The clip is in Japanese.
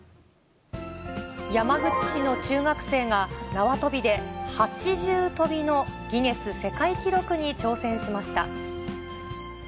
山口市の中学生が、縄跳びで８重跳びのギネス世界記録に挑戦しました。